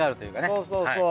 そうそうそう。